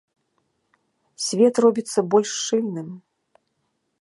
Свет робіцца больш шчыльным.